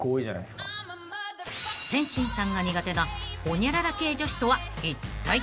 ［天心さんが苦手なホニャララ系女子とはいったい］